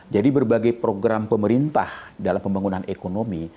jadi berbagai program pemerintah dalam pembangunan ekonomi